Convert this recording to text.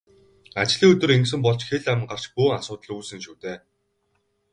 Ажлын өдөр ингэсэн бол ч хэл ам гарч бөөн асуудал үүснэ шүү дээ.